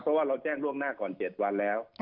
เพราะว่าเราแจ้งล่วงหน้าก่อน๗วันแล้ว